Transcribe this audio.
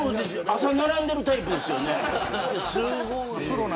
朝並んでいるタイプですよね。